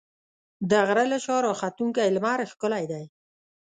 د غره له شا راختونکی لمر ښکلی دی.